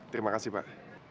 terima kasih pak